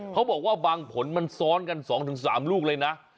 เขาบอกว่าบางผลมันซ้อนกัน๒๓ลูกเลยนะ